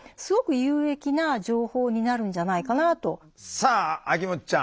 さあ秋元ちゃん。